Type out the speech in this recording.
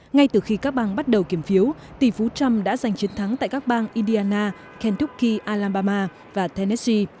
ngay từ khi các bang bắt đầu kiểm phiếu tỷ phú trump đã giành chiến thắng tại các bang indiana kentucky alabama và tennessee